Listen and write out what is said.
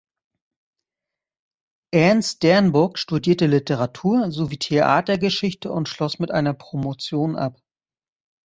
Ernst Dernburg studierte Literatur- sowie Theatergeschichte und schloss mit einer Promotion ab.